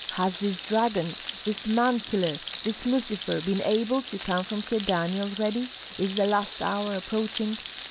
"Has this dragon, this man killer, this Lucifer, been able to come from Kyedani already? Is the last hour approaching?"